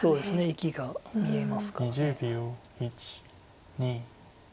生きが見えますから。